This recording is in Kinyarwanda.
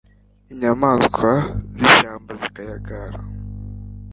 inyamaswa z'ishyamba zikayagara